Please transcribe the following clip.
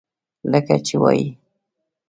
لکه چې وائي ۔